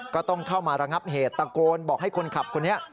ก็ต้องเข้ามาระงับเหตุตะโกนบอกให้คนขับคนนี้